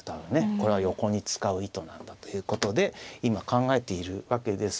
これは横に使う意図なんだということで今考えているわけです。